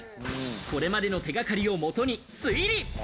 これまでの手掛かりをもとに推理。